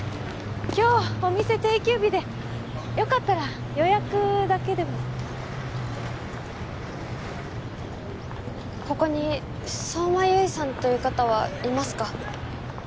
今日お店定休日でよかったら予約だけでもここに相馬悠依さんという方はいますか？